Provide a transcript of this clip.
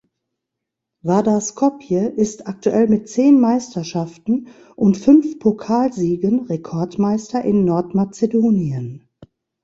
Vardar Skopje ist aktuell mit zehn Meisterschaften und fünf Pokalsiegen Rekordmeister in Nordmazedonien.